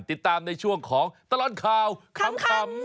ติดตามในช่วงของตลอดข่าวขำ